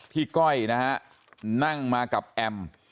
พี่ก้อยนะครับนั่งมากับแอม